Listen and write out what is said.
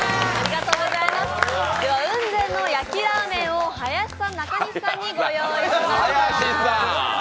では雲仙の焼ラーメンを林さん、中西さんにご用意しました。